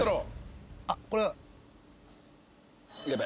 あっこれ。